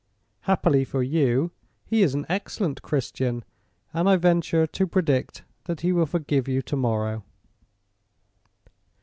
"Happily for you, he is an excellent Christian! and I venture to predict that he will forgive you to morrow."